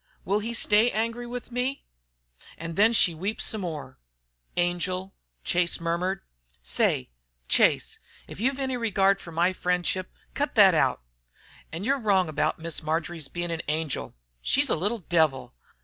Will he stay angry with me?' An' then she weeps some more." "Angel!" murmured Chase. "Say, Chase, if you've any regard fer my friendship cut thet out! An' yer wrong about Miss Marjory's bein' an angel. She's a little devil.